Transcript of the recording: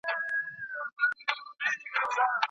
غم د ایمان کچه ښکاره کوي.